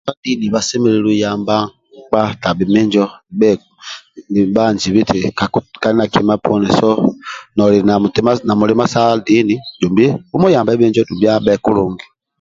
Batwa dini basemelelu yamba mkpa niba njibhiti kali na kima poni so noli na mulima sa dini bumuyambi bijo dumbi abe kulungi